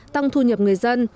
tăng thu nhập người dân